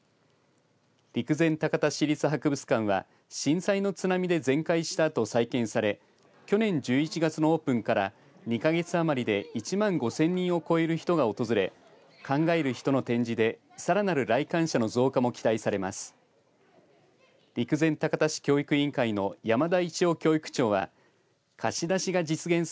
陸前高田市立博物館は震災の津波で全壊したあと、再建され去年１１月のオープンから２か月余りで１万５０００人を超える人が訪れ考える人の展示でさらなる来館者の増加も期待されます。